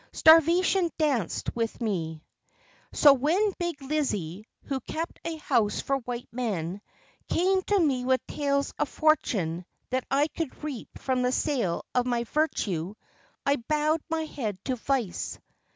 Starvation danced with me. So when Big Lizzie, who kept a house for white men, came to me with tales of fortune that I could reap from the sale of my virtue I bowed my head to Vice.